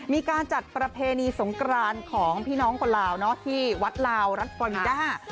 มีการจัดประเพณีสงกรานของพี่น้องคนลาวที่วัดลาวรัฐฟอนิดา